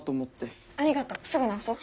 ありがとうすぐ直そう！